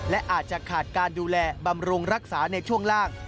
และอาจจะขาดการดูแลบำรุงรักษาในช่วงล่าง